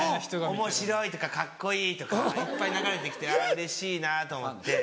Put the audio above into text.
おもしろいとかカッコいいとかいっぱい流れて来てあぁうれしいなぁと思って。